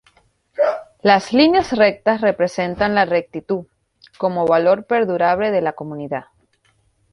Las líneas rectas representan la rectitud, como valor perdurable de la comunidad.